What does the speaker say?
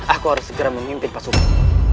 aku harus segera mengintip pasukan